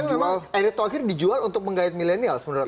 oh tapi memang erik thohir dijual untuk menggayat milenial menurut anda